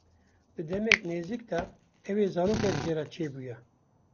Di demeke nêzik de ew ê zarokek jê re çêbûya.